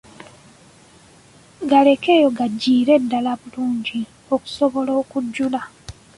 Galekeyo gajjire ddala bulungi okusobola okujjula.